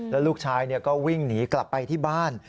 แล้วลูกชายก็วิ่งหนีกลับไปที่บ้าน